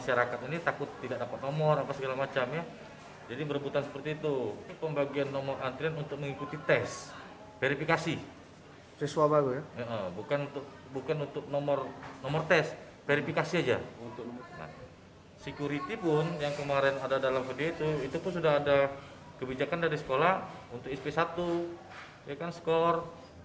sekuriti pun yang kemarin ada dalam video itu itu pun sudah ada kebijakan dari sekolah untuk isp satu ya kan skor